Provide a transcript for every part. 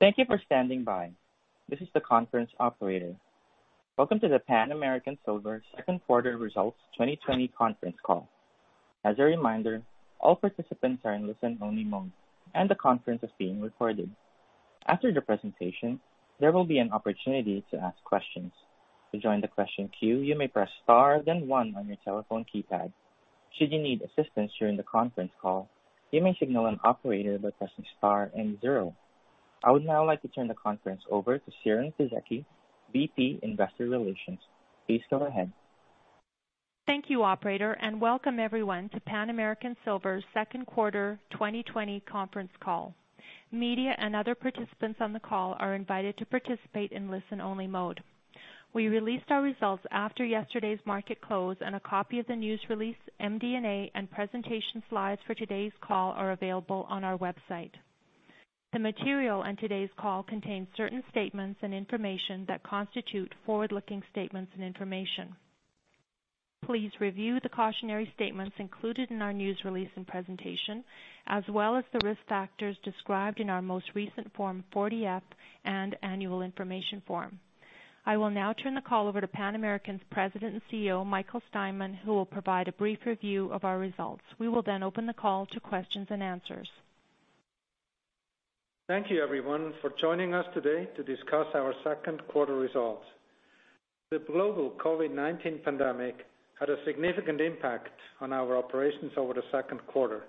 Thank you for standing by. This is the conference operator. Welcome to the Pan American Silver Second Quarter Results 2020 conference call. As a reminder, all participants are in listen-only mode, and the conference is being recorded. After the presentation, there will be an opportunity to ask questions. To join the question queue, you may press star then one on your telephone keypad. Should you need assistance during the conference call, you may signal an operator by pressing star and zero. I would now like to turn the conference over to Siren Fisekci, VP, Investor Relations. Please go ahead. Thank you, Operator, and welcome everyone to Pan American Silver Second Quarter 2020 conference call. Media and other participants on the call are invited to participate in listen-only mode. We released our results after yesterday's market close, and a copy of the news release, MD&A, and presentation slides for today's call are available on our website. The material and today's call contain certain statements and information that constitute forward-looking statements and information. Please review the cautionary statements included in our news release and presentation, as well as the risk factors described in our most recent Form 40-F and Annual Information Form. I will now turn the call over to Pan American's President and CEO, Michael Steinmann, who will provide a brief review of our results. We will then open the call to questions and answers. Thank you, everyone, for joining us today to discuss our second quarter results. The global COVID-19 pandemic had a significant impact on our operations over the second quarter.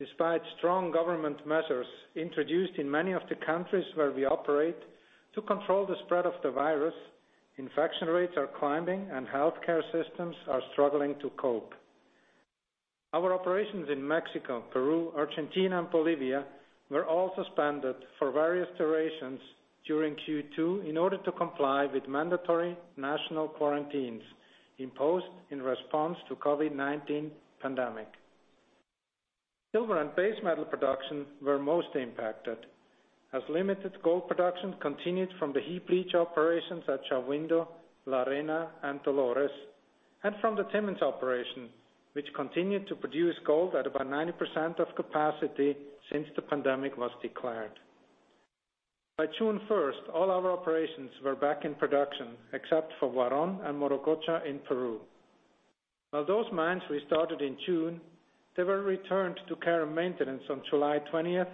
Despite strong government measures introduced in many of the countries where we operate to control the spread of the virus, infection rates are climbing, and healthcare systems are struggling to cope. Our operations in Mexico, Peru, Argentina, and Bolivia were also suspended for various durations during Q2 in order to comply with mandatory national quarantines imposed in response to the COVID-19 pandemic. Silver and base metal production were most impacted, as limited gold production continued from the heap leach operations at Shahuindo, La Arena, and Dolores, and from the Timmins operation, which continued to produce gold at about 90% of capacity since the pandemic was declared. By June 1st, all our operations were back in production, except for Huaron and Morococha in Peru. While those mines restarted in June, they were returned to care and maintenance on July 20th,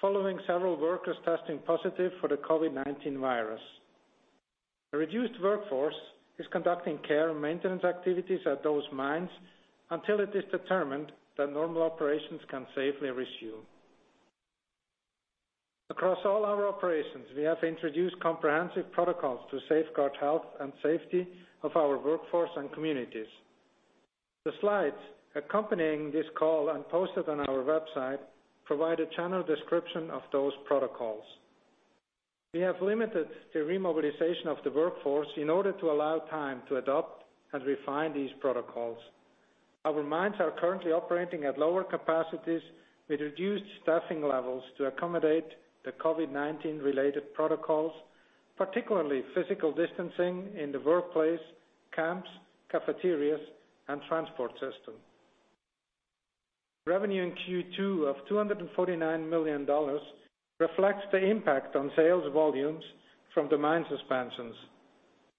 following several workers testing positive for the COVID-19 virus. A reduced workforce is conducting care and maintenance activities at those mines until it is determined that normal operations can safely resume. Across all our operations, we have introduced comprehensive protocols to safeguard health and safety of our workforce and communities. The slides accompanying this call and posted on our website provide a general description of those protocols. We have limited the remobilization of the workforce in order to allow time to adopt and refine these protocols. Our mines are currently operating at lower capacities with reduced staffing levels to accommodate the COVID-19-related protocols, particularly physical distancing in the workplace, camps, cafeterias, and transport system. Revenue in Q2 of $249 million reflects the impact on sales volumes from the mine suspensions,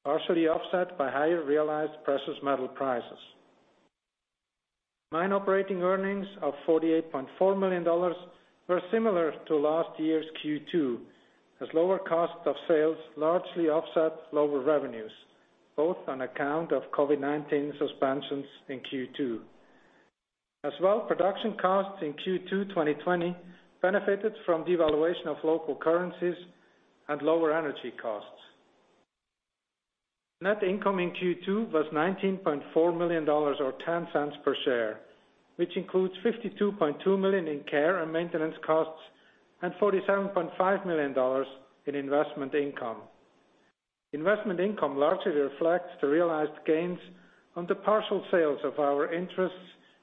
partially offset by higher realized precious metal prices. Mine operating earnings of $48.4 million were similar to last year's Q2, as lower costs of sales largely offset lower revenues, both on account of COVID-19 suspensions in Q2. As well, production costs in Q2 2020 benefited from devaluation of local currencies and lower energy costs. Net income in Q2 was $19.4 million, or $0.10 per share, which includes $52.2 million in care and maintenance costs and $47.5 million in investment income. Investment income largely reflects the realized gains on the partial sales of our interests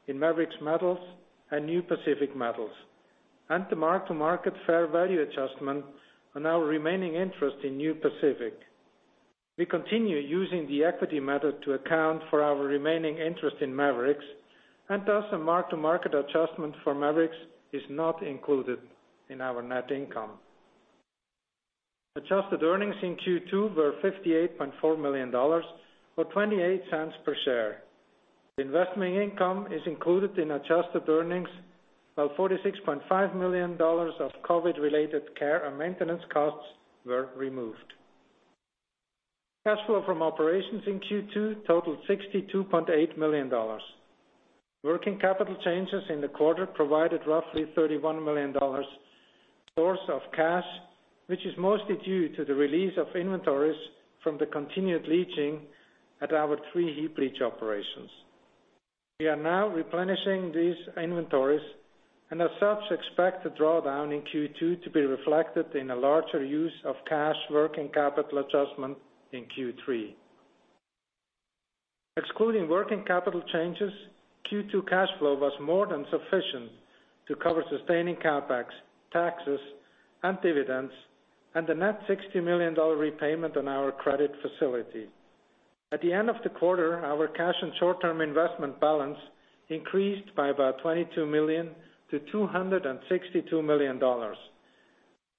in Maverix Metals and New Pacific Metals and the mark-to-market fair value adjustment on our remaining interest in New Pacific. We continue using the equity method to account for our remaining interest in Maverix, and thus a mark-to-market adjustment for Maverix is not included in our net income. Adjusted earnings in Q2 were $58.4 million, or $0.28 per share. The investment income is included in adjusted earnings, while $46.5 million of COVID-related care and maintenance costs were removed. Cash flow from operations in Q2 totaled $62.8 million. Working capital changes in the quarter provided roughly $31 million source of cash, which is mostly due to the release of inventories from the continued leaching at our three heap leach operations. We are now replenishing these inventories, and as such, expect the drawdown in Q2 to be reflected in a larger use of cash working capital adjustment in Q3. Excluding working capital changes, Q2 cash flow was more than sufficient to cover sustaining CapEx, taxes, and dividends, and the net $60 million repayment on our credit facility. At the end of the quarter, our cash and short-term investment balance increased by about $22 million-$262 million.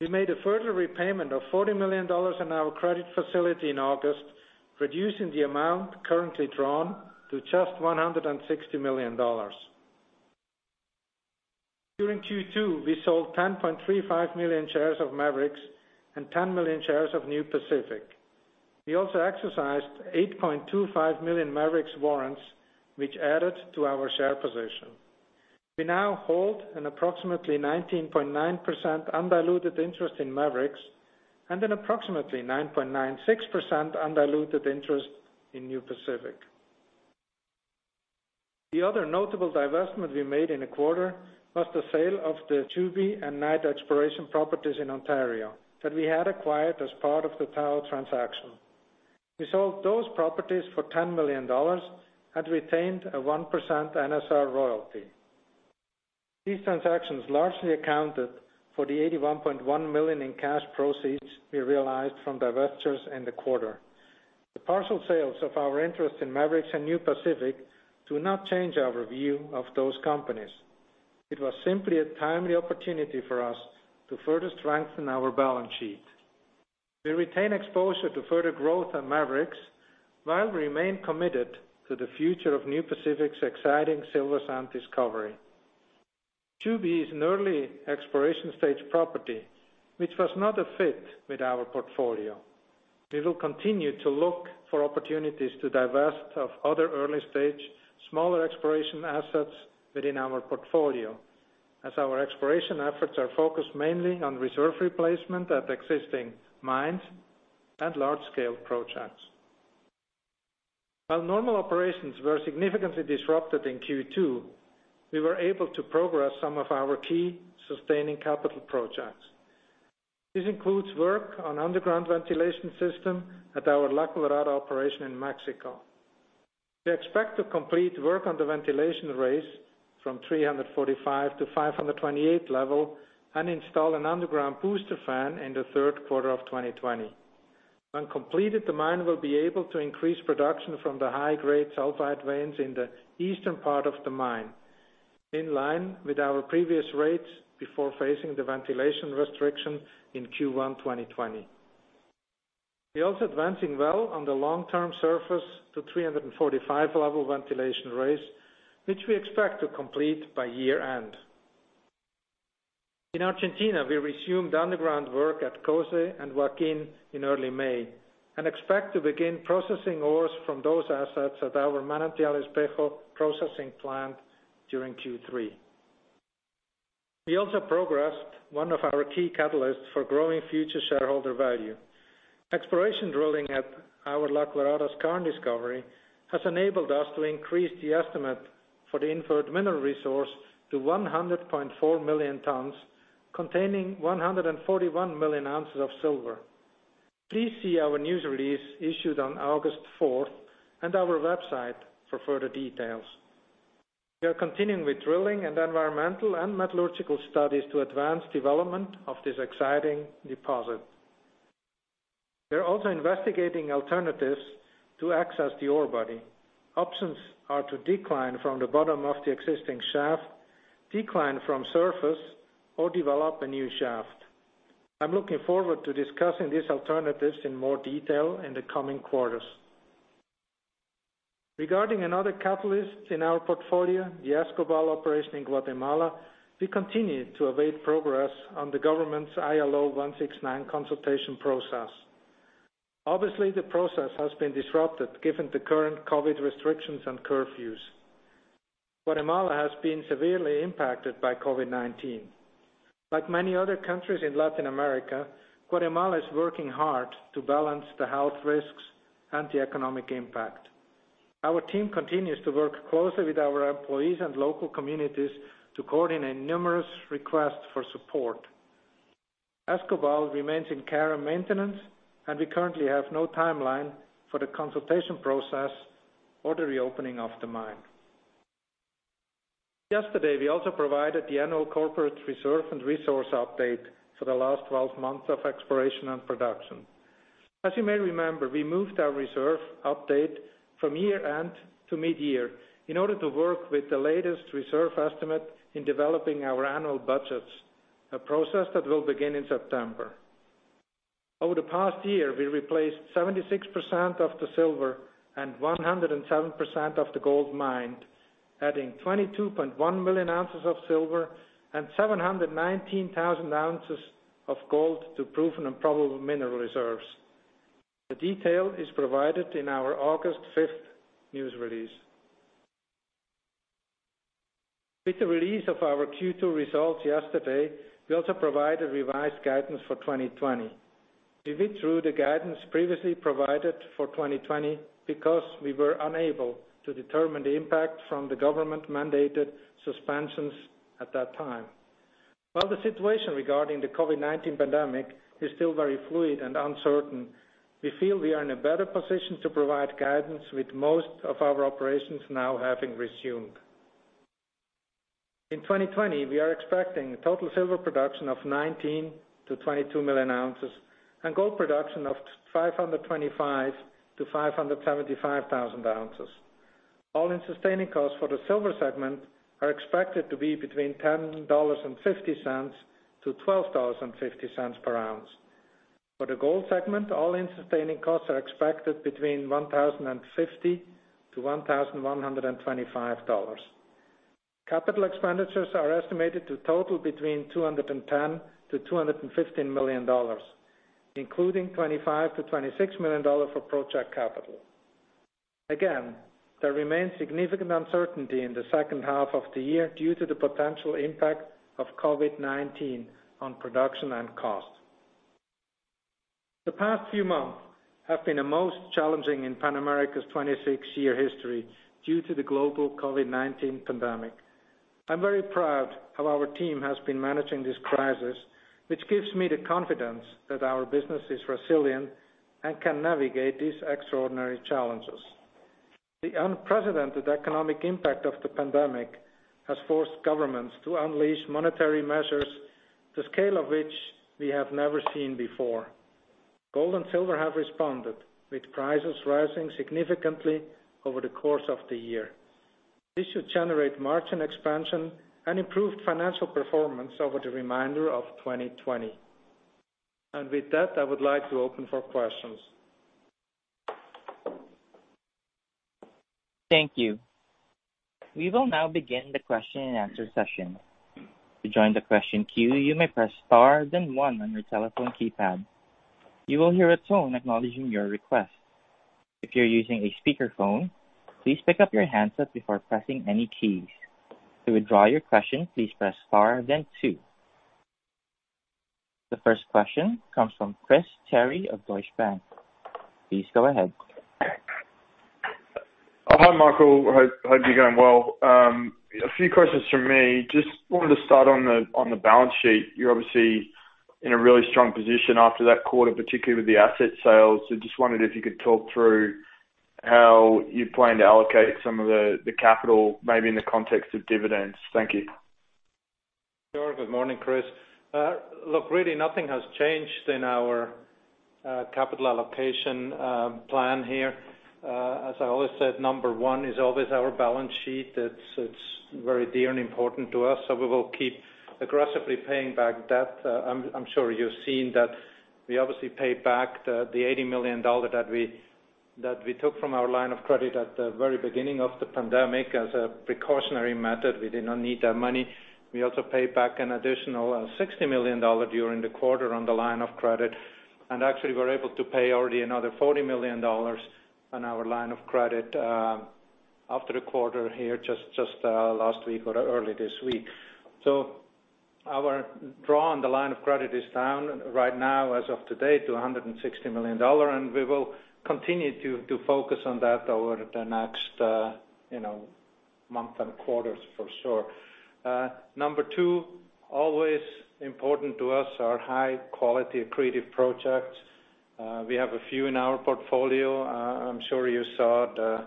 We made a further repayment of $40 million on our credit facility in August, reducing the amount currently drawn to just $160 million. During Q2, we sold 10.35 million shares of Maverix and 10 million shares of New Pacific. We also exercised 8.25 million Maverix warrants, which added to our share position. We now hold an approximately 19.9% undiluted interest in Maverix and an approximately 9.96% undiluted interest in New Pacific. The other notable divestment we made in the quarter was the sale of the Juby and Knight exploration properties in Ontario that we had acquired as part of the Tahoe transaction. We sold those properties for $10 million and retained a 1% NSR royalty. These transactions largely accounted for the $81.1 million in cash proceeds we realized from divestitures in the quarter. The partial sales of our interest in Maverix and New Pacific do not change our view of those companies. It was simply a timely opportunity for us to further strengthen our balance sheet. We retain exposure to further growth on Maverix while we remain committed to the future of New Pacific's exciting Silver Sand discovery. Juby is an early exploration stage property, which was not a fit with our portfolio. We will continue to look for opportunities to divest of other early-stage, smaller exploration assets within our portfolio, as our exploration efforts are focused mainly on reserve replacement at existing mines and large-scale projects. While normal operations were significantly disrupted in Q2, we were able to progress some of our key sustaining capital projects. This includes work on the underground ventilation system at our La Colorada operation in Mexico. We expect to complete work on the ventilation raise from 345 to 528 level and install an underground booster fan in the third quarter of 2020. When completed, the mine will be able to increase production from the high-grade sulfide veins in the eastern part of the mine, in line with our previous rates before facing the ventilation restriction in Q1 2020. We are also advancing well on the long-term surface to 345-level ventilation raise, which we expect to complete by year-end. In Argentina, we resumed underground work at COSE and Joaquin in early May and expect to begin processing ores from those assets at our Manantial Espejo processing plant during Q3. We also progressed one of our key catalysts for growing future shareholder value. Exploration drilling at our La Colorada's current discovery has enabled us to increase the estimate for the inferred mineral resource to 100.4 million tons, containing 141 million ounces of silver. Please see our news release issued on August 4th and our website for further details. We are continuing with drilling and environmental and metallurgical studies to advance the development of this exciting deposit. We are also investigating alternatives to access the ore body. Options are to decline from the bottom of the existing shaft, decline from surface, or develop a new shaft. I'm looking forward to discussing these alternatives in more detail in the coming quarters. Regarding another catalyst in our portfolio, the Escobal operation in Guatemala, we continue to await progress on the government's ILO 169 consultation process. Obviously, the process has been disrupted given the current COVID restrictions and curfews. Guatemala has been severely impacted by COVID-19. Like many other countries in Latin America, Guatemala is working hard to balance the health risks and the economic impact. Our team continues to work closely with our employees and local communities to coordinate numerous requests for support. Escobal remains in care and maintenance, and we currently have no timeline for the consultation process or the reopening of the mine. Yesterday, we also provided the annual corporate reserve and resource update for the last 12 months of exploration and production. As you may remember, we moved our reserve update from year-end to mid-year in order to work with the latest reserve estimate in developing our annual budgets, a process that will begin in September. Over the past year, we replaced 76% of the silver and 107% of the gold mined, adding 22.1 million ounces of silver and 719,000 ounces of gold to Proven and probable mineral reserves. The detail is provided in our August 5th news release. With the release of our Q2 results yesterday, we also provided revised guidance for 2020. We withdrew the guidance previously provided for 2020 because we were unable to determine the impact from the government-mandated suspensions at that time. While the situation regarding the COVID-19 pandemic is still very fluid and uncertain, we feel we are in a better position to provide guidance with most of our operations now having resumed. In 2020, we are expecting total silver production of 19 to 22 million ounces and gold production of 525 to 575,000 ounces. All-in sustaining costs for the silver segment are expected to be between $10.50-$12.50 per ounce. For the gold segment, all-in sustaining costs are expected between $1,050-$1,125. Capital expenditures are estimated to total between $210-$215 million, including $25-$26 million for project capital. Again, there remains significant uncertainty in the second half of the year due to the potential impact of COVID-19 on production and cost. The past few months have been the most challenging in Pan American's 26-year history due to the global COVID-19 pandemic. I'm very proud of how our team has been managing this crisis, which gives me the confidence that our business is resilient and can navigate these extraordinary challenges. The unprecedented economic impact of the pandemic has forced governments to unleash monetary measures the scale of which we have never seen before. Gold and silver have responded, with prices rising significantly over the course of the year. This should generate margin expansion and improved financial performance over the remainder of 2020. And with that, I would like to open for questions. Thank you. We will now begin the question-and-answer session. To join the question queue, you may press star then one on your telephone keypad. You will hear a tone acknowledging your request. If you're using a speakerphone, please pick up your handset before pressing any keys. To withdraw your question, please press star then two. The first question comes from Chris Terry of Deutsche Bank. Please go ahead. Hi, Michael. Hope you're doing well. A few questions from me. Just wanted to start on the balance sheet. You're obviously in a really strong position after that quarter, particularly with the asset sales. So just wondered if you could talk through how you plan to allocate some of the capital, maybe in the context of dividends. Thank you. Sure. Good morning, Chris. Look, really, nothing has changed in our capital allocation plan here. As I always said, number one is always our balance sheet. It's very dear and important to us, so we will keep aggressively paying back debt. I'm sure you've seen that we obviously paid back the $80 million that we took from our line of credit at the very beginning of the pandemic as a precautionary method. We did not need that money. We also paid back an additional $60 million during the quarter on the line of credit. And actually, we're able to pay already another $40 million on our line of credit after the quarter here just last week or early this week. Our draw on the line of credit is down right now, as of today, to $160 million, and we will continue to focus on that over the next month and quarters, for sure. Number two, always important to us, are high-quality accretive projects. We have a few in our portfolio. I'm sure you saw the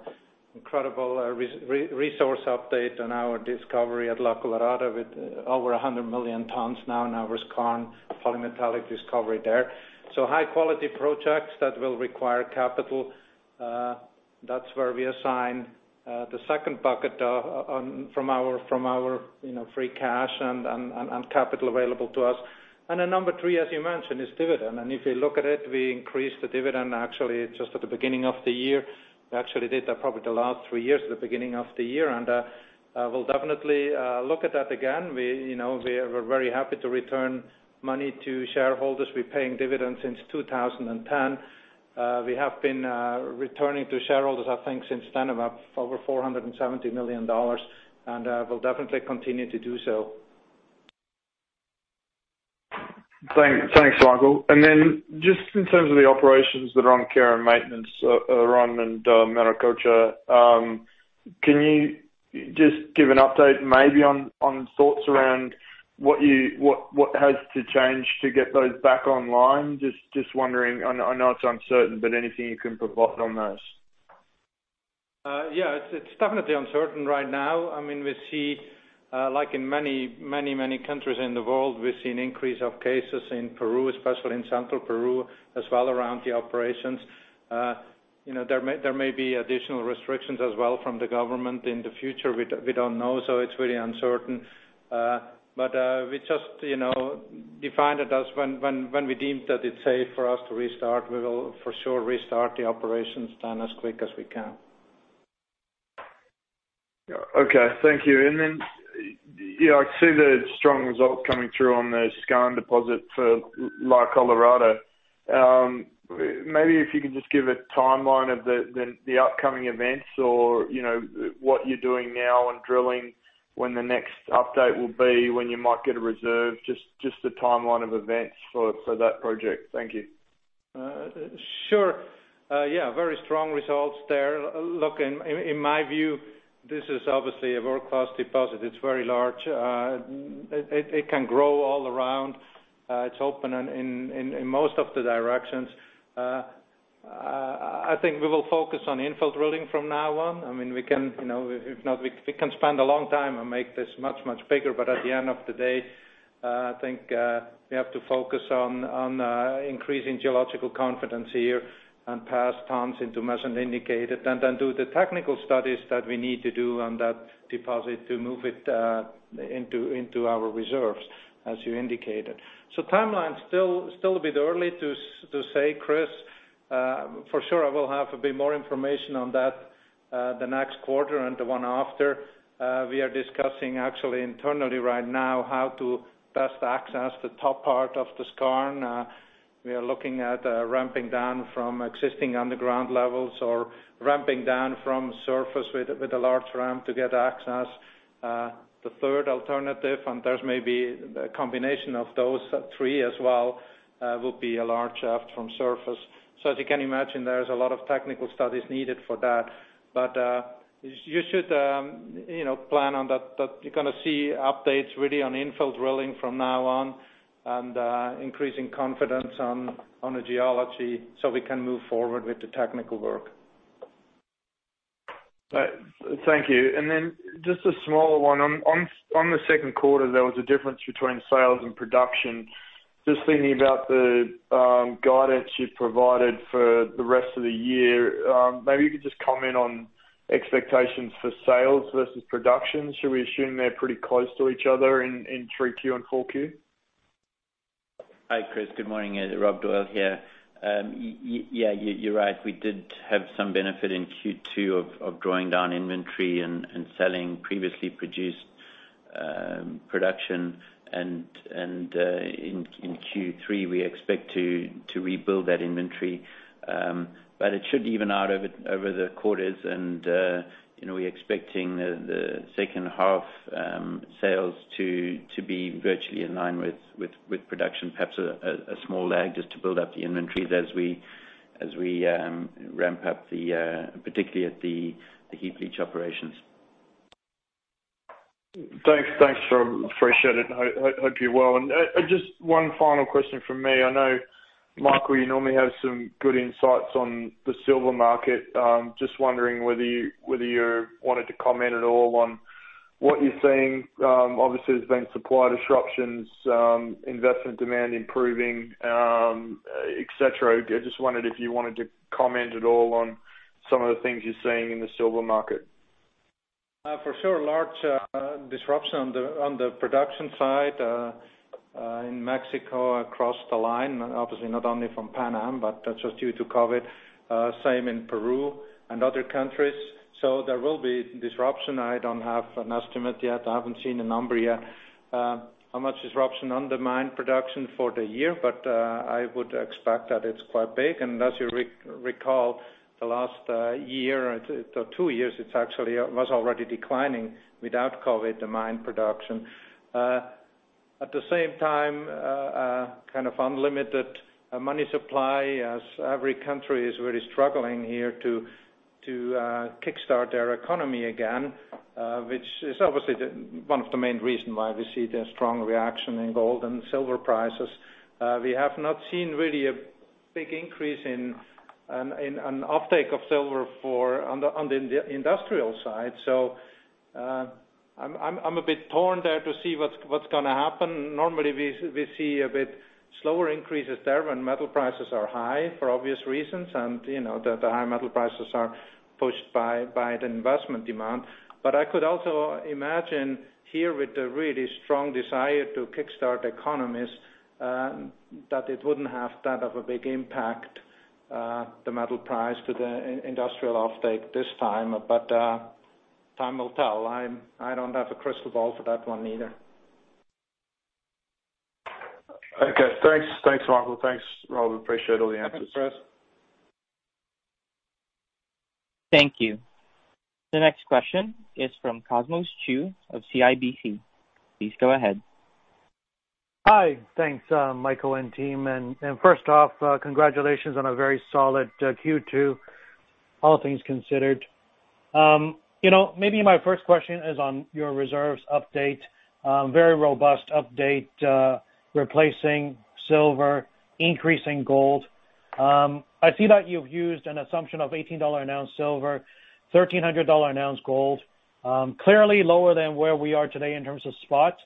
incredible resource update on our discovery at La Colorada with over 100 million tons now in our skarn polymetallic discovery there. High-quality projects that will require capital. That's where we assign the second bucket from our free cash and capital available to us. Number three, as you mentioned, is dividend. If you look at it, we increased the dividend, actually, just at the beginning of the year. We actually did that probably the last three years at the beginning of the year. We'll definitely look at that again. We're very happy to return money to shareholders. We're paying dividends since 2010. We have been returning to shareholders, I think, since then, about over $470 million, and we'll definitely continue to do so. Thanks, Michael. And then just in terms of the operations that are on care and maintenance, Huaron and Morococha, can you just give an update maybe on thoughts around what has to change to get those back online? Just wondering, I know it's uncertain, but anything you can provide on those? Yeah, it's definitely uncertain right now. I mean, we see, like in many, many, many countries in the world, we've seen an increase of cases in Peru, especially in Central Peru, as well around the operations. There may be additional restrictions as well from the government in the future. We don't know, so it's really uncertain. But we just defined it as when we deemed that it's safe for us to restart, we will for sure restart the operations then as quick as we can. Okay. Thank you. And then I see the strong results coming through on the Skarn deposit for La Colorada. Maybe if you could just give a timeline of the upcoming events or what you're doing now and drilling, when the next update will be, when you might get a reserve, just a timeline of events for that project. Thank you. Sure. Yeah, very strong results there. Look, in my view, this is obviously a world-class deposit. It's very large. It can grow all around. It's open in most of the directions. I think we will focus on infill drilling from now on. I mean, we can, if not, we can spend a long time and make this much, much bigger. But at the end of the day, I think we have to focus on increasing geological confidence here and pass tons into measured indicated and then do the technical studies that we need to do on that deposit to move it into our reserves, as you indicated. So timeline's still a bit early to say, Chris. For sure, I will have a bit more information on that the next quarter and the one after. We are discussing actually internally right now how to best access the top part of the skarn. We are looking at ramping down from existing underground levels or ramping down from surface with a large ramp to get access. The third alternative, and there's maybe a combination of those three as well, would be a large shaft from surface. So as you can imagine, there's a lot of technical studies needed for that. But you should plan on that. You're going to see updates really on infill drilling from now on and increasing confidence on the geology so we can move forward with the technical work. Thank you. And then just a smaller one. On the second quarter, there was a difference between sales and production. Just thinking about the guidance you provided for the rest of the year, maybe you could just comment on expectations for sales versus production. Should we assume they're pretty close to each other in 3Q and 4Q? Hi, Chris. Good morning. Rob Doyle here. Yeah, you're right. We did have some benefit in Q2 of drawing down inventory and selling previously produced production. And in Q3, we expect to rebuild that inventory. But it should even out over the quarters. And we're expecting the second half sales to be virtually in line with production. Perhaps a small lag just to build up the inventories as we ramp up, particularly at the heap leach operations. Thanks, Rob. Appreciate it. Hope you're well. And just one final question from me. I know, Michael, you normally have some good insights on the silver market. Just wondering whether you wanted to comment at all on what you're seeing. Obviously, there's been supply disruptions, investment demand improving, etc. I just wondered if you wanted to comment at all on some of the things you're seeing in the silver market. For sure, large disruption on the production side in Mexico across the board, obviously not only from Pan Am, but just due to COVID. Same in Peru and other countries. So there will be disruption. I don't have an estimate yet. I haven't seen a number yet. How much disruption on the mine production for the year, but I would expect that it's quite big, and as you recall, the last year or two years, it actually was already declining without COVID, the mine production. At the same time, kind of unlimited money supply as every country is really struggling here to kickstart their economy again, which is obviously one of the main reasons why we see the strong reaction in gold and silver prices. We have not seen really a big increase in an uptake of silver on the industrial side, so I'm a bit torn there to see what's going to happen. Normally, we see a bit slower increases there when metal prices are high for obvious reasons, and the high metal prices are pushed by the investment demand. But I could also imagine here with the really strong desire to kickstart economies that it wouldn't have that big of an impact, the metal price to the industrial uptake this time. But time will tell. I don't have a crystal ball for that one either. Okay. Thanks, Michael. Thanks, Rob. Appreciate all the answers. Thank you. The next question is from Cosmos Chiu of CIBC. Please go ahead. Hi. Thanks, Michael and team. And first off, congratulations on a very solid Q2, all things considered. Maybe my first question is on your reserves update, very robust update, replacing silver, increasing gold. I see that you've used an assumption of $18 an ounce silver, $1,300 an ounce gold, clearly lower than where we are today in terms of spots.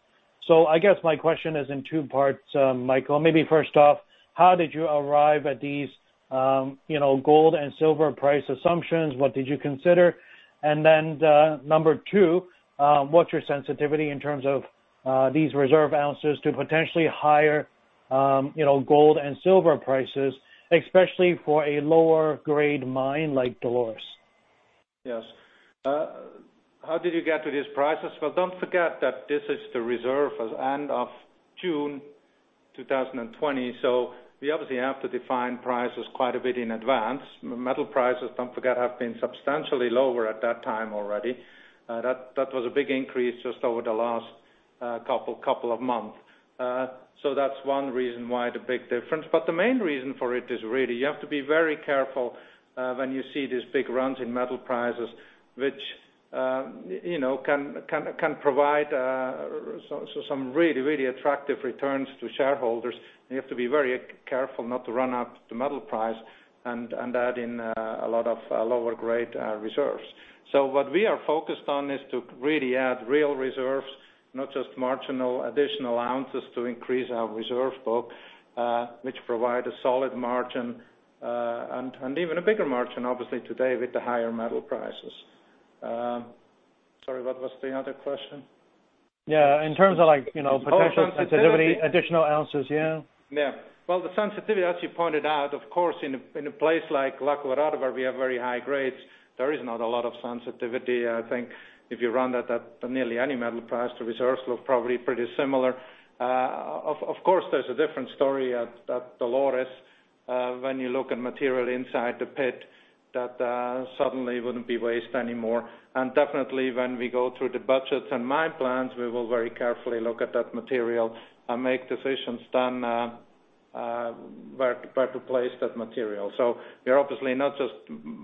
So I guess my question is in two parts, Michael. Maybe first off, how did you arrive at these gold and silver price assumptions? What did you consider? And then number two, what's your sensitivity in terms of these reserve ounces to potentially higher gold and silver prices, especially for a lower-grade mine like Dolores? Yes. How did you get to these prices? Well, don't forget that this is the reserves at end of June 2020. So we obviously have to define prices quite a bit in advance. Metal prices, don't forget, have been substantially lower at that time already. That was a big increase just over the last couple of months. So that's one reason why the big difference. But the main reason for it is really you have to be very careful when you see these big runs in metal prices, which can provide some really, really attractive returns to shareholders. You have to be very careful not to run up the metal price and add in a lot of lower-grade reserves. So what we are focused on is to really add real reserves, not just marginal additional ounces to increase our reserve book, which provide a solid margin and even a bigger margin, obviously, today with the higher metal prices. Sorry, what was the other question? Yeah. In terms of potential sensitivity. Additional ounces, yeah. Yeah. Well, the sensitivity, as you pointed out, of course, in a place like La Colorada, where we have very high grades, there is not a lot of sensitivity. I think if you run that at nearly any metal price, the reserves look probably pretty similar. Of course, there's a different story at Dolores when you look at material inside the pit that suddenly wouldn't be waste anymore. Definitely, when we go through the budgets and mine plans, we will very carefully look at that material and make decisions then where to place that material. We're obviously not just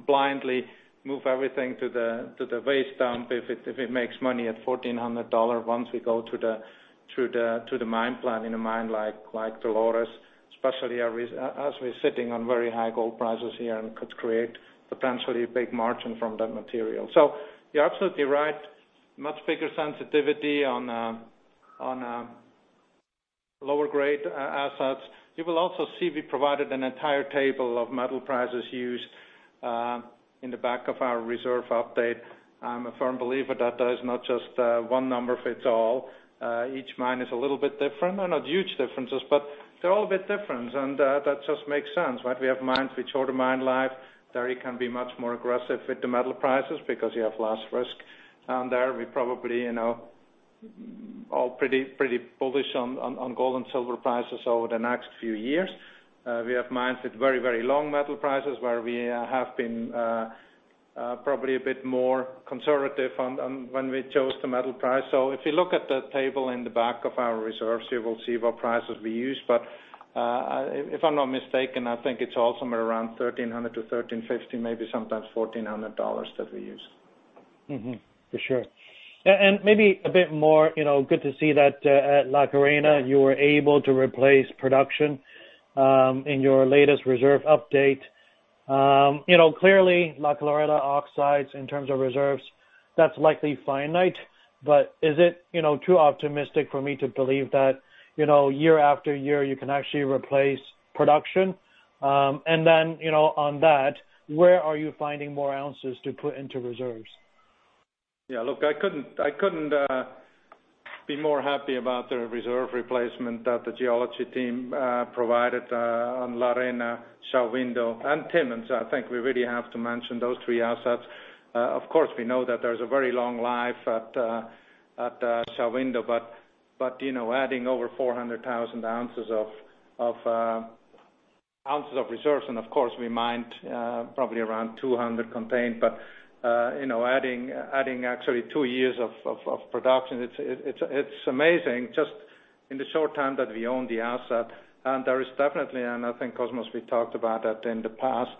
blindly move everything to the waste dump if it makes money at $1,400 once we go through the mine plan in a mine like Dolores, especially as we're sitting on very high gold prices here and could create potentially a big margin from that material. You're absolutely right. Much bigger sensitivity on lower-grade assets. You will also see we provided an entire table of metal prices used in the back of our reserve update. I'm a firm believer that there's not just one number fits all. Each mine is a little bit different. They're not huge differences, but they're all a bit different. That just makes sense, right? We have mines with shorter mine life. There you can be much more aggressive with the metal prices because you have less risk on there. We're probably all pretty bullish on gold and silver prices over the next few years. We have mines with very, very long metal prices where we have been probably a bit more conservative when we chose the metal price. So if you look at the table in the back of our reserves, you will see what prices we use. But if I'm not mistaken, I think it's all somewhere around $1,300-$1,350, maybe sometimes $1,400 that we use. For sure. And maybe a bit more. Good to see that at La Colorada, you were able to replace production in your latest reserve update. Clearly, La Colorada oxides in terms of reserves, that's likely finite. But is it too optimistic for me to believe that year after year you can actually replace production? And then on that, where are you finding more ounces to put into reserves? Yeah. Look, I couldn't be more happy about the reserve replacement that the geology team provided on La Arena, Shahuindo, and Timmins. I think we really have to mention those three assets. Of course, we know that there's a very long life at Shahuindo, but adding over 400,000 ounces of reserves, and of course, we mined probably around 200 contained, but adding actually two years of production, it's amazing just in the short time that we own the asset. And there is definitely, and I think Cosmos we talked about that in the past,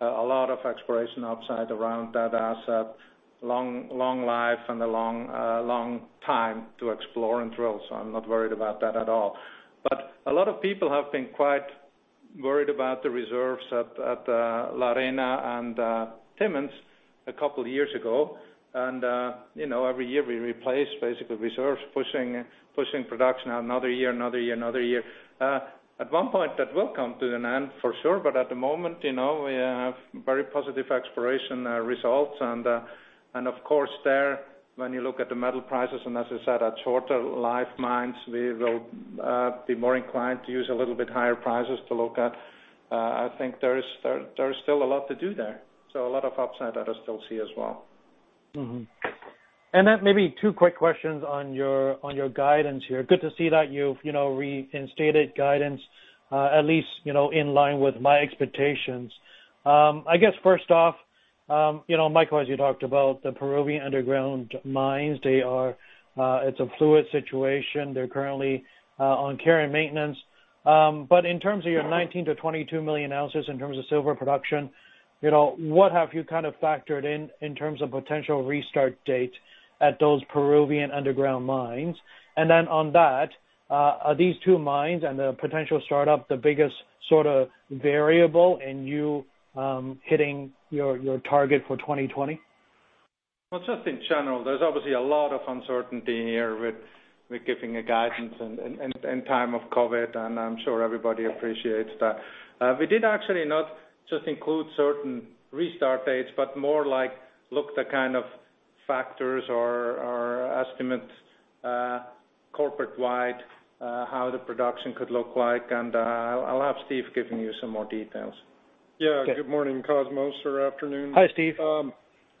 a lot of exploration upside around that asset, long life and a long time to explore and drill. I'm not worried about that at all. But a lot of people have been quite worried about the reserves at La Colorada and Timmins a couple of years ago. And every year we replace basically reserves, pushing production out another year, another year, another year. At one point, that will come to an end for sure. But at the moment, we have very positive exploration results. And of course, there, when you look at the metal prices, and as I said, at shorter life mines, we will be more inclined to use a little bit higher prices to look at. I think there's still a lot to do there. So a lot of upside that I still see as well. And then maybe two quick questions on your guidance here. Good to see that you've reinstated guidance, at least in line with my expectations. I guess first off, Michael, as you talked about the Peruvian underground mines, it's a fluid situation. They're currently on care and maintenance. But in terms of your 19-22 million ounces in terms of silver production, what have you kind of factored in in terms of potential restart date at those Peruvian underground mines? And then on that, are these two mines and the potential startup the biggest sort of variable in you hitting your target for 2020? Well, just in general, there's obviously a lot of uncertainty here with giving a guidance in time of COVID. And I'm sure everybody appreciates that. We did actually not just include certain restart dates, but more like looked at kind of factors or estimates corporate-wide, how the production could look like. And I'll have Steve giving you some more details. Yeah. Good morning, Cosmos. Or afternoon. Hi, Steve.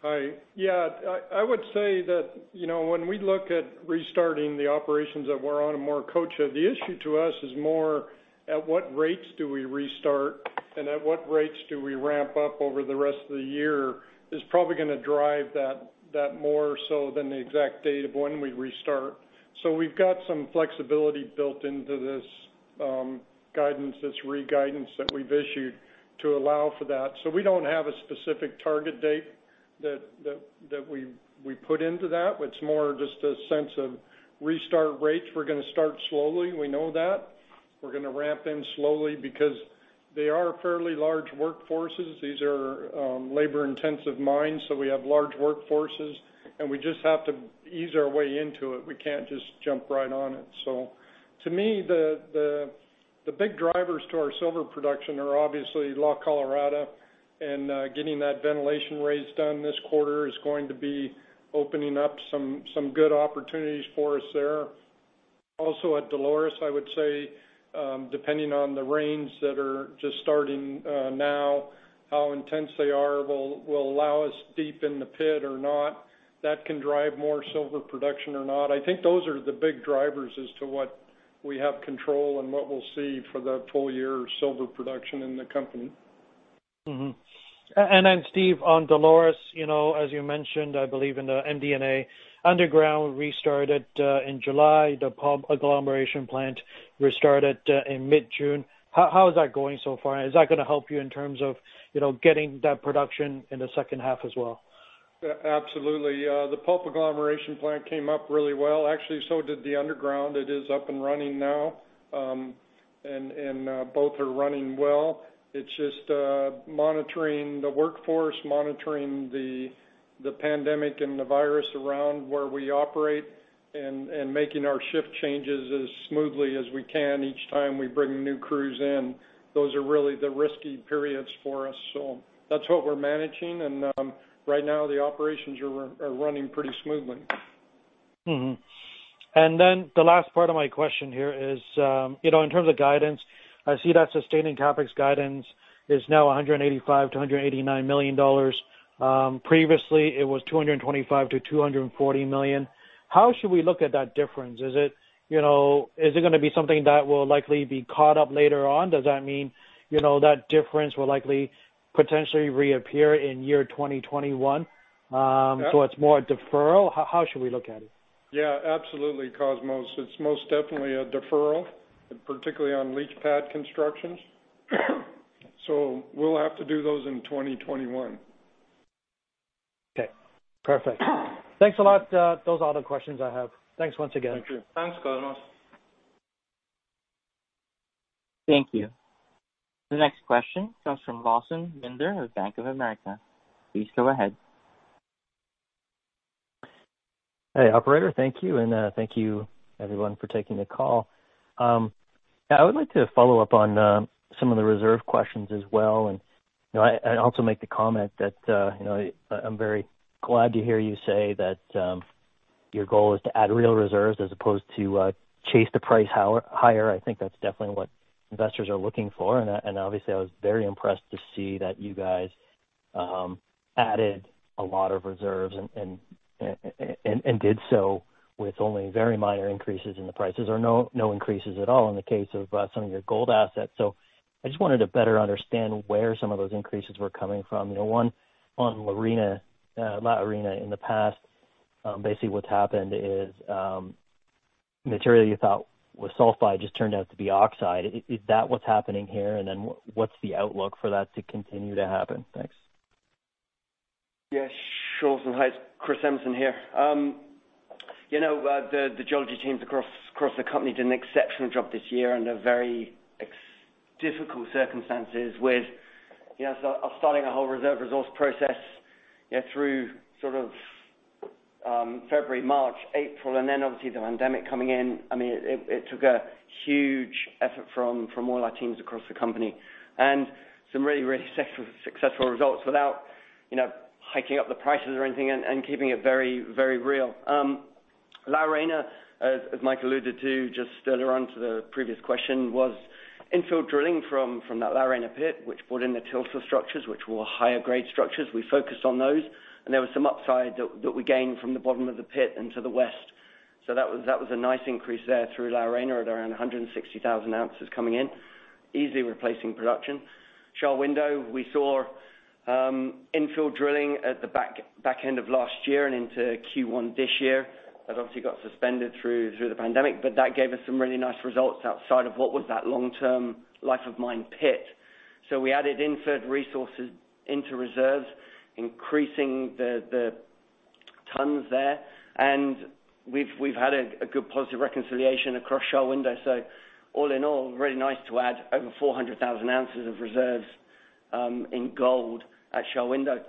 Hi. Yeah. I would say that when we look at restarting the operations that we're on a more cautious, the issue to us is more at what rates do we restart and at what rates do we ramp up over the rest of the year is probably going to drive that more so than the exact date of when we restart. So we've got some flexibility built into this guidance, this re-guidance that we've issued to allow for that. So we don't have a specific target date that we put into that. It's more just a sense of restart rates. We're going to start slowly. We know that. We're going to ramp in slowly because they are fairly large workforces. These are labor-intensive mines. So we have large workforces, and we just have to ease our way into it. We can't just jump right on it. So to me, the big drivers to our silver production are obviously La Colorada. And getting that ventilation raise done this quarter is going to be opening up some good opportunities for us there. Also at Dolores, I would say, depending on the rains that are just starting now, how intense they are will allow us deep in the pit or not. That can drive more silver production or not. I think those are the big drivers as to what we have control and what we'll see for the full year silver production in the company. And then, Steve, on Dolores, as you mentioned, I believe in the MD&A underground restarted in July, the Pulp agglomeration plant restarted in mid-June. How is that going so far? Is that going to help you in terms of getting that production in the second half as well? Absolutely. The Pulp agglomeration plant came up really well. Actually, so did the underground. It is up and running now, and both are running well. It's just monitoring the workforce, monitoring the pandemic and the virus around where we operate, and making our shift changes as smoothly as we can each time we bring new crews in. Those are really the risky periods for us. So that's what we're managing. Right now, the operations are running pretty smoothly. Then the last part of my question here is in terms of guidance. I see that sustaining CapEx guidance is now $185-$189 million. Previously, it was $225-$240 million. How should we look at that difference? Is it going to be something that will likely be caught up later on? Does that mean that difference will likely potentially reappear in year 2021? So it's more a deferral? How should we look at it? Yeah. Absolutely, Cosmos. It's most definitely a deferral, particularly on leach pad constructions. So we'll have to do those in 2021. Okay. Perfect. Thanks a lot. Those are all the questions I have. Thanks once again. Thank you. Thanks, Cosmos. Thank you. The next question comes from Lawson Winder of Bank of America. Please go ahead. Hey, Operator. Thank you. And thank you, everyone, for taking the call. I would like to follow up on some of the reserve questions as well. And I also make the comment that I'm very glad to hear you say that your goal is to add real reserves as opposed to chase the price higher. I think that's definitely what investors are looking for. Obviously, I was very impressed to see that you guys added a lot of reserves and did so with only very minor increases in the prices or no increases at all in the case of some of your gold assets. So I just wanted to better understand where some of those increases were coming from. One on La Arena in the past, basically what's happened is material you thought was sulfide just turned out to be oxide. Is that what's happening here? And then what's the outlook for that to continue to happen? Thanks. Yes. Shahuindo, Chris Emerson here. The geology teams across the company did an exceptional job this year under very difficult circumstances with starting a whole reserve resource process through sort of February, March, April, and then obviously the pandemic coming in. I mean, it took a huge effort from all our teams across the company and some really, really successful results without hiking up the prices or anything and keeping it very, very real. La Arena, as Mike alluded to just earlier on to the previous question, was infill drilling from that La Arena pit, which brought in the tilt structures, which were higher-grade structures. We focused on those, and there was some upside that we gained from the bottom of the pit into the west, so that was a nice increase there through La Arena at around 160,000 ounces coming in, easily replacing production. Shahuindo, we saw infill drilling at the back end of last year and into Q1 this year. That obviously got suspended through the pandemic, but that gave us some really nice results outside of what was that long-term life of mine pit. So we added infill resources into reserves, increasing the tons there. And we've had a good positive reconciliation across Shahuindo. So all in all, really nice to add over 400,000 ounces of reserves in gold at Shahuindo.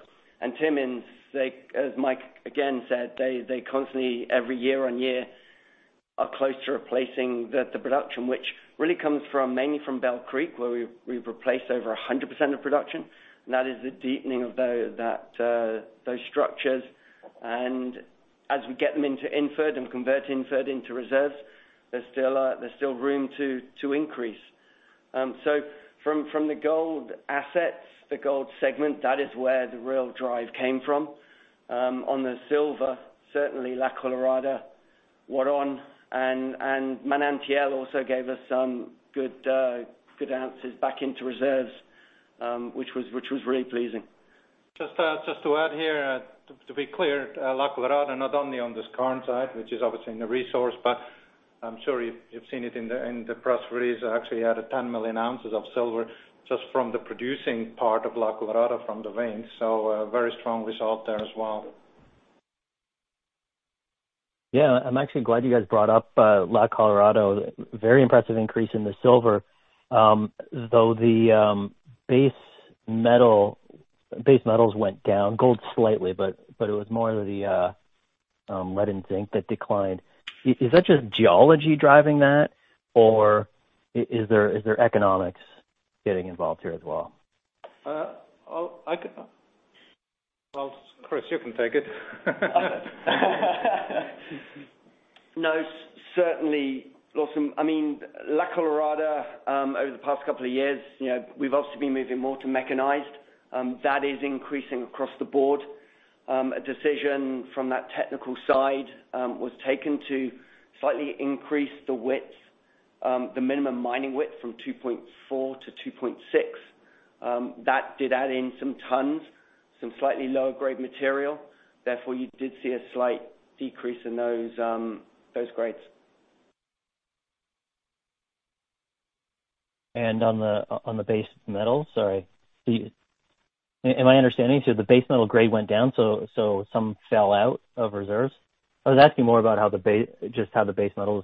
And Timmins, as Mike again said, they constantly, every year on year, are close to replacing the production, which really comes mainly from Bell Creek, where we've replaced over 100% of production. And that is the deepening of those structures. And as we get them into infill and convert infill into reserves, there's still room to increase. So from the gold assets, the gold segment, that is where the real drive came from. On the silver, certainly La Colorada, Huaron, and Manantial also gave us some good ounces back into reserves, which was really pleasing. Just a word here, to be clear, La Colorada, not only on this skarn side, which is obviously in the resource, but I'm sure you've seen it in the press release, actually had 10 million ounces of silver just from the producing part of La Colorada from the veins. So a very strong result there as well. Yeah. I'm actually glad you guys brought up La Colorada. Very impressive increase in the silver, though the base metals went down. Gold slightly, but it was more of the lead and zinc that declined. Is that just geology driving that, or is there economics getting involved here as well? Well, Chris, you can take it. No, certainly. Lawson, I mean, La Colorada over the past couple of years, we've obviously been moving more to mechanized. That is increasing across the board. A decision from that technical side was taken to slightly increase the width, the minimum mining width from 2.4-2.6. That did add in some tons, some slightly lower-grade material. Therefore, you did see a slight decrease in those grades, And on the base metal, sorry. Am I understanding? So the base metal grade went down, so some fell out of reserves? I was asking more about just how the base metals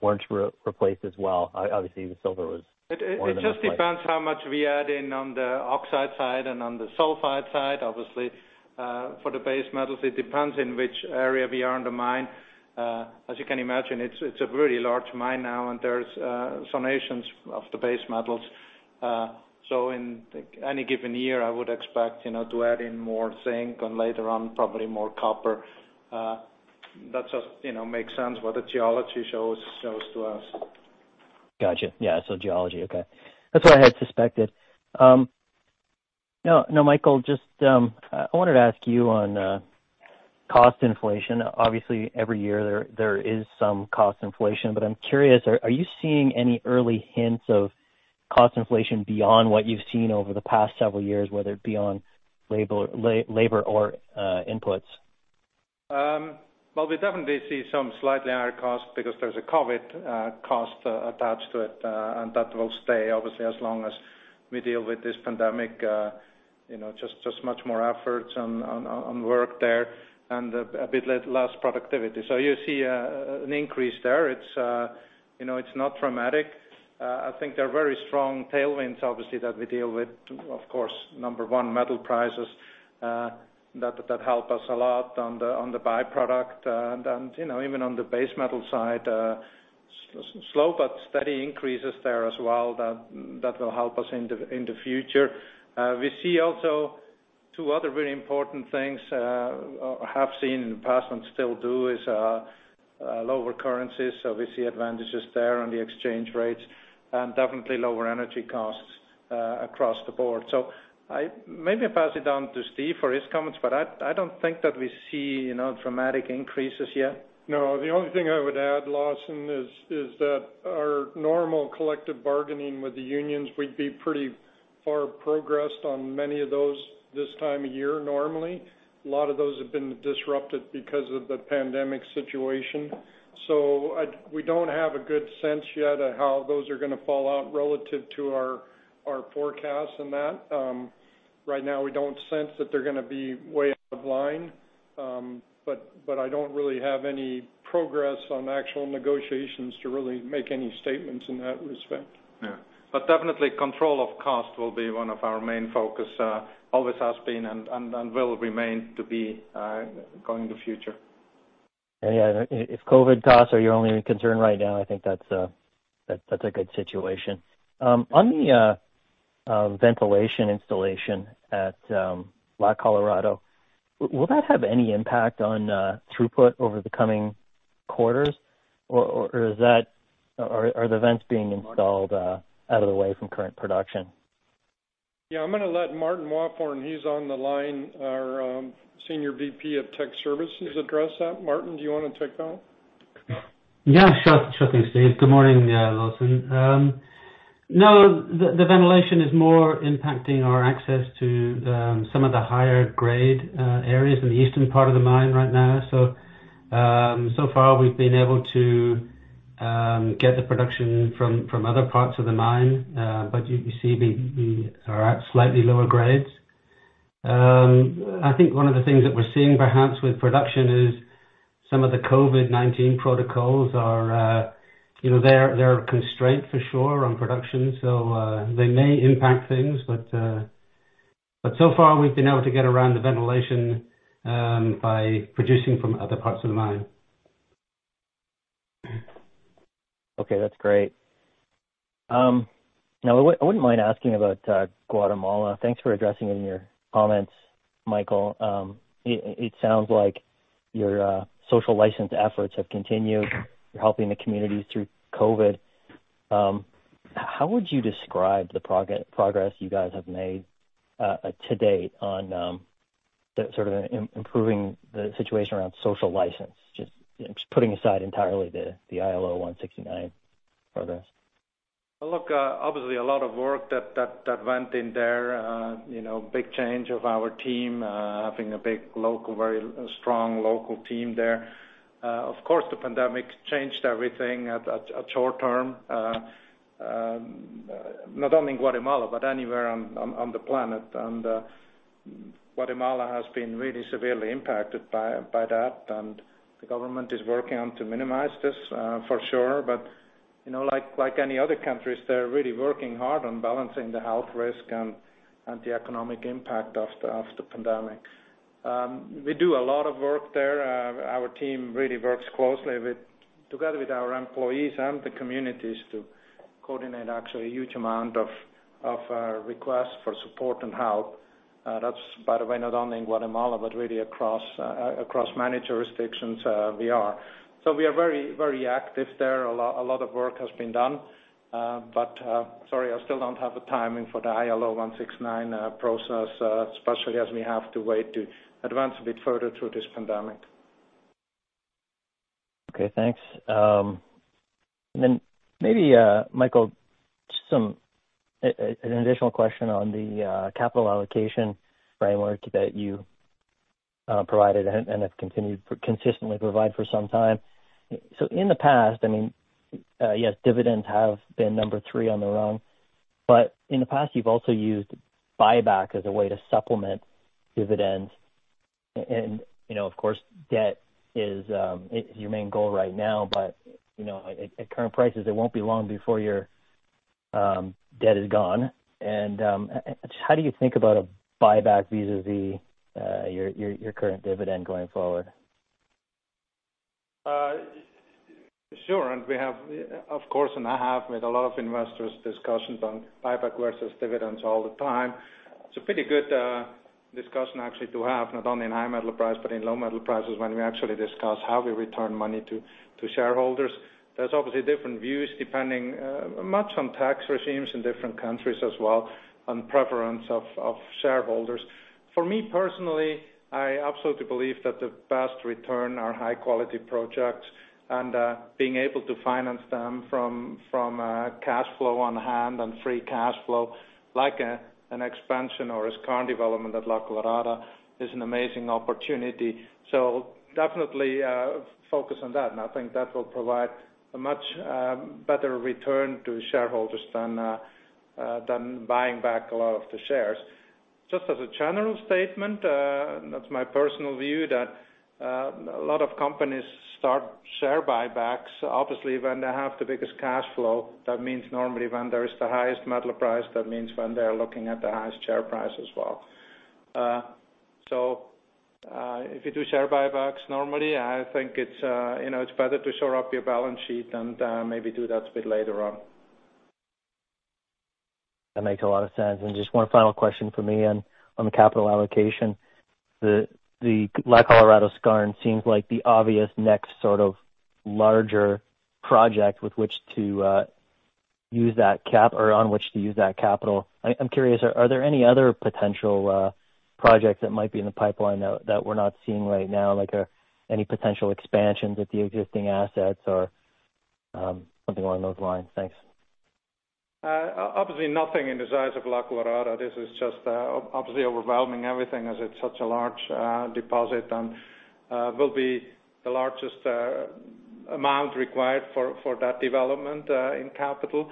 weren't replaced as well. Obviously, the silver was more than that. It just depends how much we add in on the oxide side and on the sulfide side. Obviously, for the base metals, it depends in which area we are in the mine. As you can imagine, it's a really large mine now, and there's zonations of the base metals. So in any given year, I would expect to add in more zinc and later on, probably more copper. That just makes sense what the geology shows to us. Gotcha. Yeah. So geology. Okay. That's what I had suspected. Now, Michael, just I wanted to ask you on cost inflation. Obviously, every year there is some cost inflation, but I'm curious, are you seeing any early hints of cost inflation beyond what you've seen over the past several years, whether it be on labor or inputs? Well, we definitely see some slightly higher cost because there's a COVID cost attached to it, and that will stay, obviously, as long as we deal with this pandemic. Just much more effort and work there and a bit less productivity. So you see an increase there. It's not dramatic. I think there are very strong tailwinds, obviously, that we deal with. Of course, number one, metal prices that help us a lot on the byproduct. And even on the base metal side, slow but steady increases there as well that will help us in the future. We see also two other really important things I have seen in the past and still do is lower currencies. So we see advantages there on the exchange rates and definitely lower energy costs across the board. So maybe I'll pass it down to Steve for his comments, but I don't think that we see dramatic increases yet. No. The only thing I would add, Lawson, is that our normal collective bargaining with the unions, we'd be pretty far progressed on many of those this time of year normally. A lot of those have been disrupted because of the pandemic situation. So we don't have a good sense yet of how those are going to fall out relative to our forecasts and that. Right now, we don't sense that they're going to be way out of line, but I don't really have any progress on actual negotiations to really make any statements in that respect. Yeah. But definitely, control of cost will be one of our main focus always has been and will remain to be going into the future. Yeah. If COVID costs are your only concern right now, I think that's a good situation. On the ventilation installation at La Colorada, will that have any impact on throughput over the coming quarters, or are the vents being installed out of the way from current production? Yeah. I'm going to let Martin Wafforn, he's on the line, our Senior VP of tech services, address that. Martin, do you want to take that? Yeah. Sure thing, Steve. Good morning, Lawson. No, the ventilation is more impacting our access to some of the higher-grade areas in the eastern part of the mine right now. So far, we've been able to get the production from other parts of the mine, but you see we are at slightly lower grades. I think one of the things that we're seeing perhaps with production is some of the COVID-19 protocols are. They're a constraint for sure on production. So they may impact things, but so far, we've been able to get around the ventilation by producing from other parts of the mine. Okay. That's great. Now, I wouldn't mind asking about Guatemala. Thanks for addressing it in your comments, Michael. It sounds like your social license efforts have continued. You're helping the communities through COVID. How would you describe the progress you guys have made to date on sort of improving the situation around social license, just putting aside entirely the ILO 169 progress? Well, look, obviously, a lot of work that went in there. Big change of our team, having a big, local, very strong local team there. Of course, the pandemic changed everything at short term, not only in Guatemala but anywhere on the planet. And Guatemala has been really severely impacted by that, and the government is working on to minimize this for sure. But like any other countries, they're really working hard on balancing the health risk and the economic impact of the pandemic. We do a lot of work there. Our team really works closely together with our employees and the communities to coordinate actually a huge amount of requests for support and help. That's, by the way, not only in Guatemala but really across many jurisdictions we are. So we are very, very active there. A lot of work has been done. But sorry, I still don't have a timing for the ILO 169 process, especially as we have to wait to advance a bit further through this pandemic. Okay. Thanks. And then maybe, Michael, just an additional question on the capital allocation framework that you provided and have consistently provided for some time. So in the past, I mean, yes, dividends have been number three on the rung, but in the past, you've also used buyback as a way to supplement dividends. And of course, debt is your main goal right now, but at current prices, it won't be long before your debt is gone. And how do you think about a buyback vis-à-vis your current dividend going forward? Sure. We have, of course, and I have made a lot of investors' discussions on buyback versus dividends all the time. It's a pretty good discussion actually to have, not only in high metal price but in low metal prices when we actually discuss how we return money to shareholders. There's obviously different views depending much on tax regimes in different countries as well on preference of shareholders. For me personally, I absolutely believe that the best return are high-quality projects and being able to finance them from cash flow on hand and free cash flow like an expansion or a skarn development at La Colorada is an amazing opportunity. Definitely focus on that. I think that will provide a much better return to shareholders than buying back a lot of the shares. Just as a general statement, that's my personal view that a lot of companies start share buybacks, obviously, when they have the biggest cash flow. That means normally when there is the highest metal price, that means when they're looking at the highest share price as well. So if you do share buybacks normally, I think it's better to shore up your balance sheet and maybe do that a bit later on. That makes a lot of sense, and just one final question for me on the capital allocation. The La Colorada seems like the obvious next sort of larger project with which to use that or on which to use that capital. I'm curious, are there any other potential projects that might be in the pipeline that we're not seeing right now, like any potential expansions at the existing assets or something along those lines? Thanks. Obviously, nothing in the size of La Colorada. This is just obviously overwhelming everything as it's such a large deposit and will be the largest amount required for that development in capital.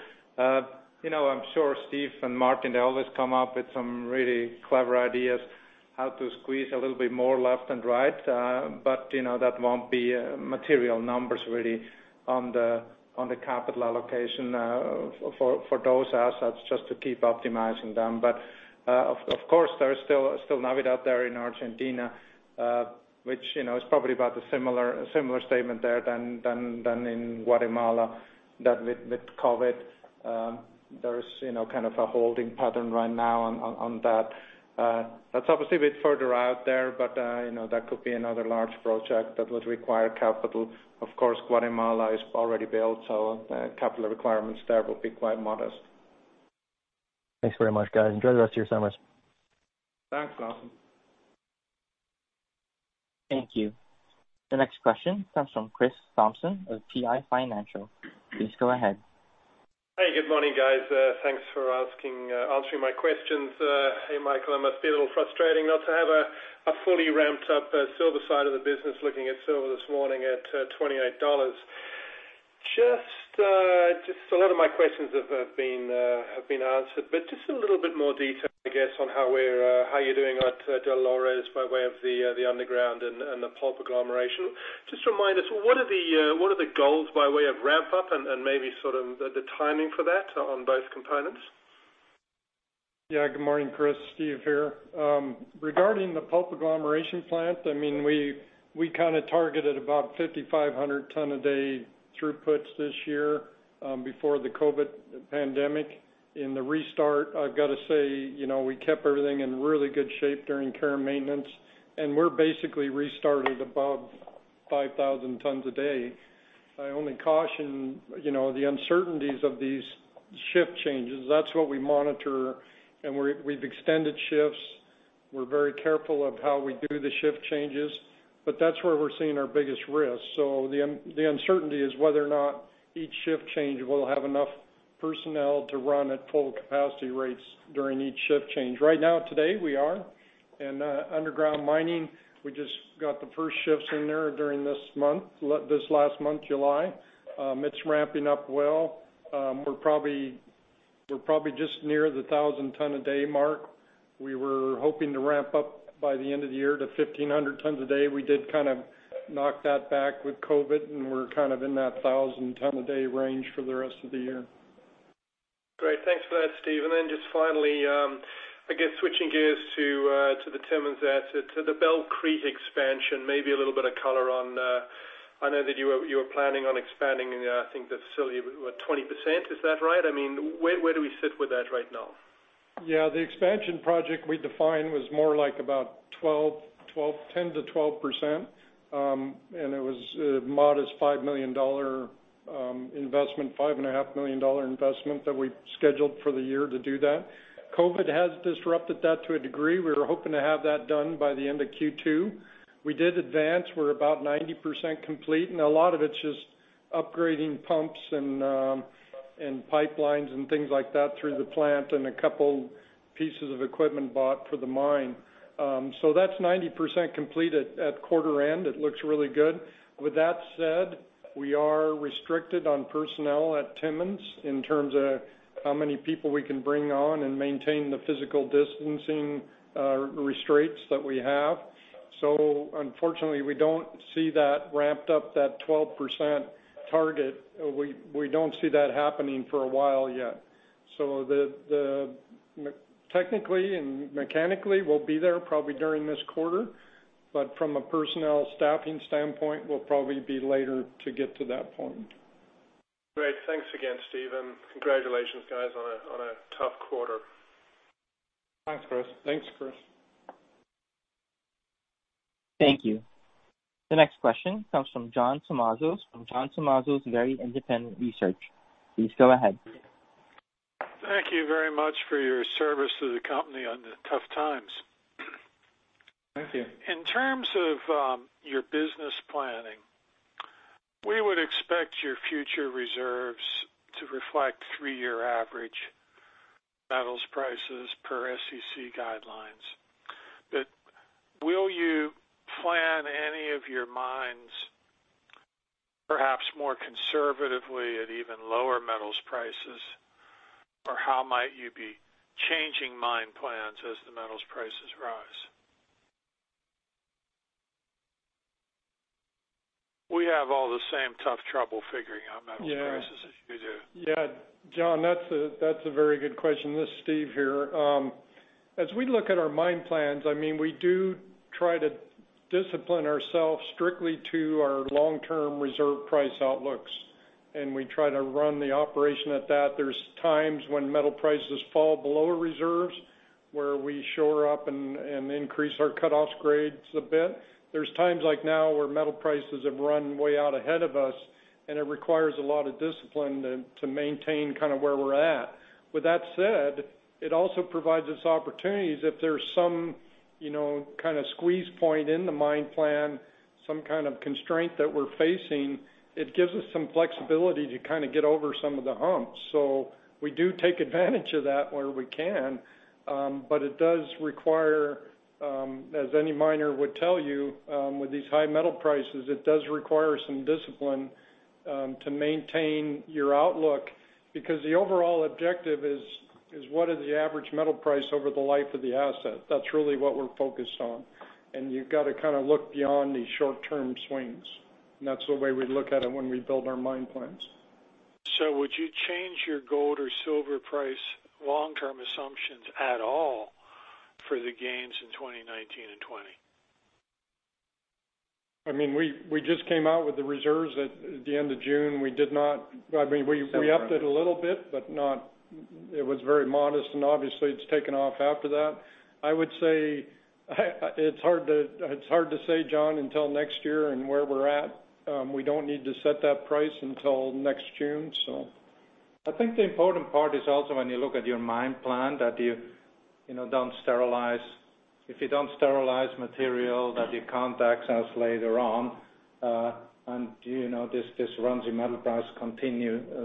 I'm sure Steve and Martin, they always come up with some really clever ideas how to squeeze a little bit more left and right, but that won't be material numbers really on the capital allocation for those assets just to keep optimizing them. But of course, there's still Navidad there in Argentina, which is probably about a similar statement there than in Guatemala that with COVID, there's kind of a holding pattern right now on that. That's obviously a bit further out there, but that could be another large project that would require capital. Of course, Guatemala is already built, so capital requirements there will be quite modest. Thanks very much, guys. Enjoy the rest of your summers. Thanks, Lawson. Thank you. The next question comes from Chris Thompson of PI Financial. Please go ahead. Hey, good morning, guys. Thanks for answering my questions. Hey, Michael. It must be a little frustrating not to have a fully ramped-up silver side of the business looking at silver this morning at $28. Just a lot of my questions have been answered, but just a little bit more detail, I guess, on how you're doing at Dolores by way of the underground and the pulp agglomeration. Just remind us, what are the goals by way of ramp-up and maybe sort of the timing for that on both components? Yeah. Good morning, Chris. Steve here. Regarding the pulp agglomeration plant, I mean, we kind of targeted about 5,500 tons a day throughput this year before the COVID pandemic. In the restart, I've got to say we kept everything in really good shape during care and maintenance, and we're basically restarted above 5,000 tons a day. I only caution the uncertainties of these shift changes. That's what we monitor, and we've extended shifts. We're very careful of how we do the shift changes, but that's where we're seeing our biggest risk, so the uncertainty is whether or not each shift change will have enough personnel to run at full capacity rates during each shift change. Right now, today, we are, and underground mining, we just got the first shifts in there during this month, this last month, July. It's ramping up well. We're probably just near the 1,000 ton a day mark. We were hoping to ramp up by the end of the year to 1,500 tons a day. We did kind of knock that back with COVID, and we're kind of in that 1,000 ton a day range for the rest of the year. Great. Thanks for that, Steve. And then just finally, I guess switching gears to the Timmins asset, the Bell Creek expansion, maybe a little bit of color on. I know that you were planning on expanding, I think, the facility with 20%. Is that right? I mean, where do we sit with that right now? Yeah. The expansion project we defined was more like about 10%-12%, and it was a modest $5 million investment, $5.5 million investment that we scheduled for the year to do that. COVID has disrupted that to a degree. We were hoping to have that done by the end of Q2. We did advance. We're about 90% complete, and a lot of it's just upgrading pumps and pipelines and things like that through the plant and a couple pieces of equipment bought for the mine. So that's 90% complete at quarter end. It looks really good. With that said, we are restricted on personnel at Timmins in terms of how many people we can bring on and maintain the physical distancing restraints that we have. So unfortunately, we don't see that ramped up, that 12% target. We don't see that happening for a while yet. So technically and mechanically, we'll be there probably during this quarter, but from a personnel staffing standpoint, we'll probably be later to get to that point. Great. Thanks again, Steve, and congratulations, guys, on a tough quarter. Thanks, Chris. Thanks, Chris. Thank you. The next question comes from John Tumazos from John Tumazos Very Independent Research. Please go ahead. Thank you very much for your service to the company on the tough times. Thank you. In terms of your business planning, we would expect your future reserves to reflect three-year average metals prices per SEC guidelines. But will you plan any of your mines perhaps more conservatively at even lower metals prices, or how might you be changing mine plans as the metals prices rise? We have all the same tough trouble figuring out metal prices as you do. Yeah. John, that's a very good question. This is Steve here. As we look at our mine plans, I mean, we do try to discipline ourselves strictly to our long-term reserve price outlooks, and we try to run the operation at that. There's times when metal prices fall below reserves where we shore up and increase our cutoff grades a bit. There's times like now where metal prices have run way out ahead of us, and it requires a lot of discipline to maintain kind of where we're at. With that said, it also provides us opportunities if there's some kind of squeeze point in the mine plan, some kind of constraint that we're facing. It gives us some flexibility to kind of get over some of the humps. So we do take advantage of that where we can, but it does require, as any miner would tell you, with these high metal prices, it does require some discipline to maintain your outlook because the overall objective is what is the average metal price over the life of the asset. That's really what we're focused on, and you've got to kind of look beyond these short-term swings, and that's the way we look at it when we build our mine plans. So would you change your gold or silver price long-term assumptions at all for the gains in 2019 and 2020? I mean, we just came out with the reserves at the end of June. We did not, I mean, we upped it a little bit, but it was very modest, and obviously, it's taken off after that. I would say it's hard to say, John, until next year and where we're at. We don't need to set that price until next June, so. I think the important part is also when you look at your mine plan that you don't sterilize. If you don't sterilize material, that you can access later on. And if this runs your metal price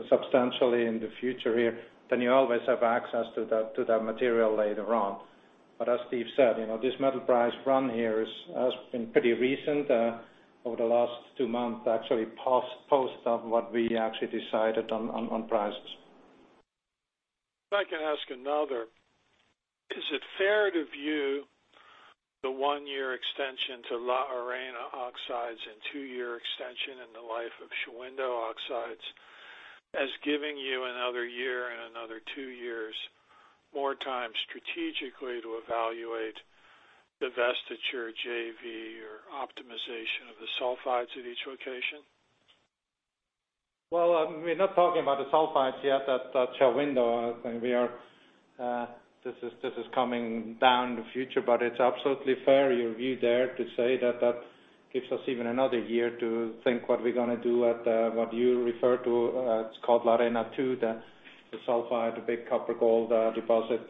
substantially in the future here, then you always have access to that material later on. But as Steve said, this metal price run here has been pretty recent over the last two months, actually post what we actually decided on prices. If I can ask another, is it fair to view the one-year extension to La Arena oxides and two-year extension in the life of Shahuindo oxides as giving you another year and another two years more time strategically to evaluate the divestiture, JV, or optimization of the sulfides at each location? Well, we're not talking about the sulfides yet at Shahuindo. I think this is coming down in the future, but it's absolutely fair, your view there, to say that that gives us even another year to think what we're going to do at what you refer to as called La Arena II, the sulfide, the big copper-gold deposit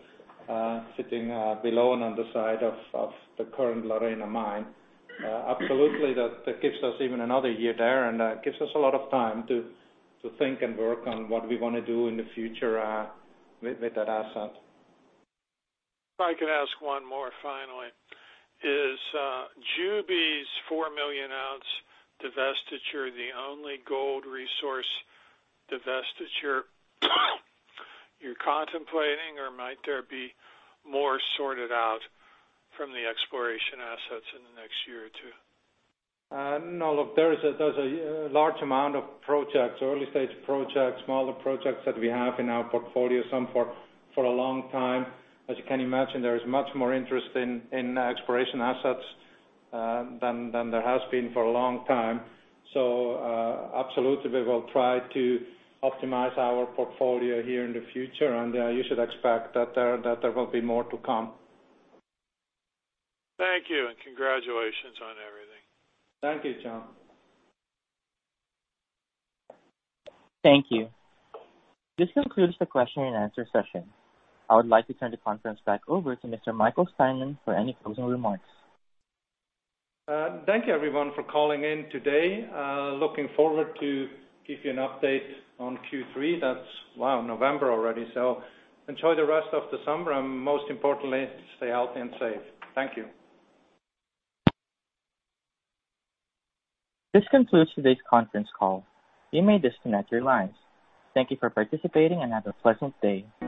sitting below and on the side of the current La Arena mine. Absolutely, that gives us even another year there and gives us a lot of time to think and work on what we want to do in the future with that asset. If I can ask one more, finally, is Juby's four million ounce divestiture the only gold resource divestiture you're contemplating, or might there be more sorted out from the exploration assets in the next year or two? No, look, there's a large amount of projects, early-stage projects, smaller projects that we have in our portfolio, some for a long time. As you can imagine, there is much more interest in exploration assets than there has been for a long time. So absolutely, we will try to optimize our portfolio here in the future, and you should expect that there will be more to come. Thank you, and congratulations on everything. Thank you, John. Thank you. This concludes the question-and-answer session. I would like to turn the conference back over to Mr. Michael Steinmann for any closing remarks. Thank you, everyone, for calling in today. Looking forward to give you an update on Q3. That's, wow, November already. So enjoy the rest of the summer, and most importantly, stay healthy and safe. Thank you. This concludes today's conference call. You may disconnect your lines. Thank you for participating and have a pleasant day.